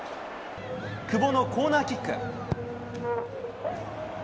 久保のコーナーキック。